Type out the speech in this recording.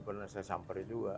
pernah saya sampai juga